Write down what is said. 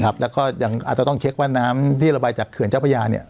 แล้วก็ยังอาจจะต้องเช็คว่าน้ำที่ระบายจากเขื่อนเจ้าพระยาเนี่ย